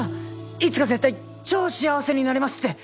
いつか絶対超幸せになれますって！